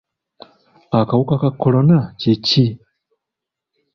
Akawuka ka kolona kye ki?